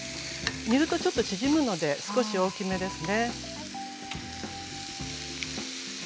煮るとちょっと縮むので少し大きめですね。